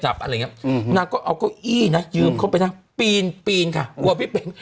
ฮือฮือฮือฮือฮือ